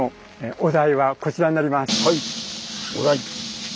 お題。